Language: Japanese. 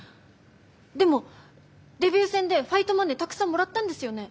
でもデビュー戦でファイトマネーたくさんもらったんですよね？